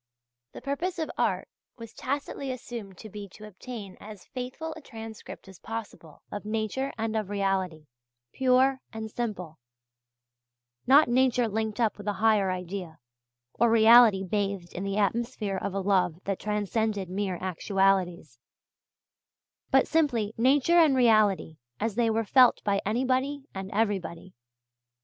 The purpose of art was tacitly assumed to be to obtain as faithful a transcript as possible of nature and of reality, pure and simple not nature linked up with a higher idea, or reality bathed in the atmosphere of a love that transcended mere actualities but simply nature and reality as they were felt by anybody and everybody.